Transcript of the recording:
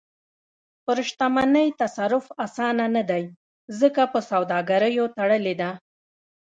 پر شتمنۍ تصرف اسانه نه دی، ځکه په سوداګریو تړلې ده.